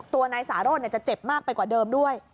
นายสารสจะเจ็บมากไปกว่าเดิมด้วย